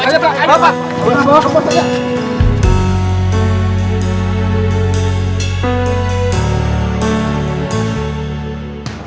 bawa ke kantor aja